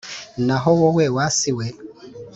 Naho wowe wa si we,